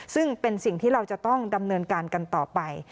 ซึ่งเป็นสิ่งที่เราจะต้องดำเนินการกันต่อไป